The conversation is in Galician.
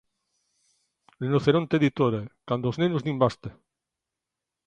Rinoceronte Editora, "Cando os nenos din basta!".